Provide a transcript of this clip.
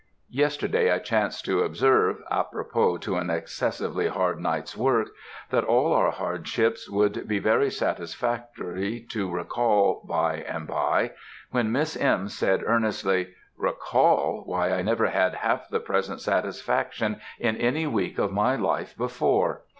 Yesterday, I chanced to observe, apropos to an excessively hard night's work, that all our hardships would be very satisfactory to recall by and by, when Miss M. said earnestly, "Recall! why, I never had half the present satisfaction in any week of my life before!"